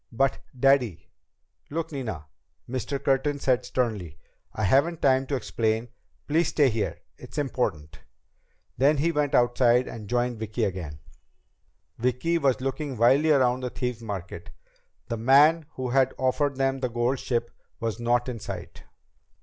"But, Daddy ..." "Look, Nina," Mr. Curtin said sternly, "I haven't time to explain. Please stay here. It's important." Then he went outside and joined Vicki again. Vicki was looking wildly around the Thieves' Market. The man who had offered them the gold ship was not in sight.